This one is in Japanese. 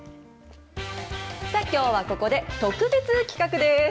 さあ、きょうはここで特別企画です。